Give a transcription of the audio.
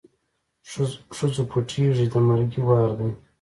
ښځو پټېږی د مرګي وار دی